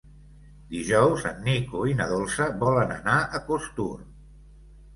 Dijous en Nico i na Dolça volen anar a Costur.